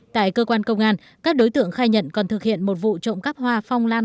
tại cơ quan công an các đối tượng khai nhận còn thực hiện một vụ trộm cắp hoa phong lan